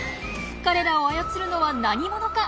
彼らを操るのは何者か？